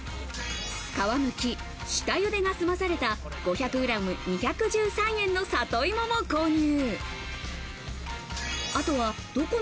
皮むき、下茹でが済まされた５００グラム２１３円の里芋も購入。